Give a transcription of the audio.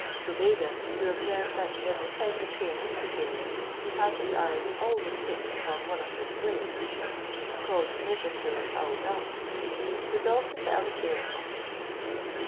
Zobeide, who observed that every time he came with the caliph, he had his eyes always fixed upon one of her slaves, called Nouzhatoul aouadat, resolved to tell the caliph of it.